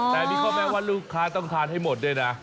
แต่มีข้อแม้ว่าลูกค้าต้องทานให้หมดด้วยนะ